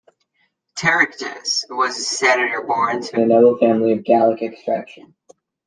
Tetricus was a senator born to a noble family of Gallic extraction.